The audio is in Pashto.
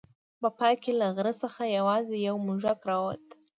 په پای کې له غره څخه یوازې یو موږک راووت.